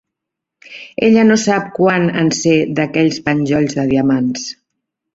Ella no sap quant en sé d'aquells penjolls de diamants.